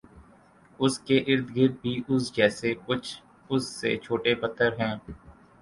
اس کے ارد گرد بھی اس جیسے کچھ اس سے چھوٹے پتھر ہیں